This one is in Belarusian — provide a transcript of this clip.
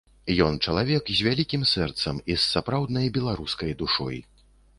Ён чалавек з вялікім сэрцам і з сапраўднай беларускай душой.